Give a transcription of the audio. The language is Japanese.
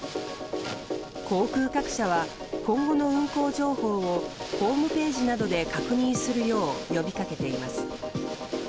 航空各社は今後の運航情報をホームページなどで確認するよう呼び掛けています。